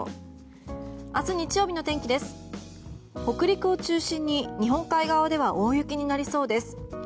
北陸を中心に日本海側では大雪になりそうです。